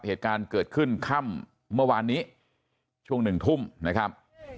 เหตุการณ์เกิดขึ้นค่ำเมื่อวานนี้ช่วงหนึ่งทุ่มนะครับ